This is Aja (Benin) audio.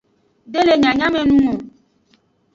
De le nyanyamenung o.